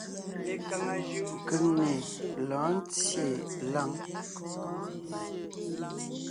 Keŋne lɔ̌ɔn ńtyê láŋ.